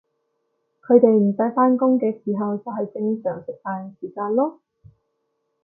佢哋唔使返工嘅时候就係正常食飯時間囉